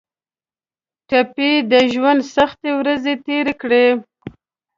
ټپي د ژوند سختې ورځې تېرې کړي.